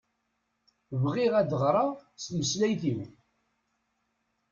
Bɣiɣ ad ɣreɣ s tmeslayt-iw.